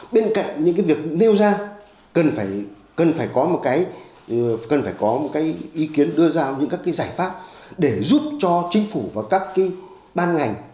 bên cạnh những cái việc nêu ra cần phải có một cái ý kiến đưa ra những cái giải pháp để giúp cho chính phủ và các cái ban ngành